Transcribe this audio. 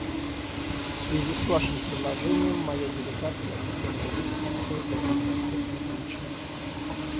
В связи с вашим предложением моя делегация хотела бы высказать кое-какие конкретные замечания.